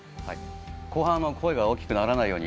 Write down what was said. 後半、興奮して声が大きくならないように。